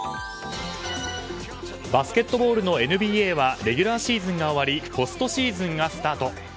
バスケットボールのＮＢＡはレギュラーシーズンが終わりポストシーズンがスタート。